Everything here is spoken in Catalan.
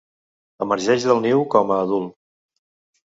Emergeix del niu com a adult.